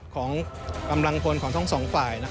ของกำลังพลของทั้งสองฝ่าย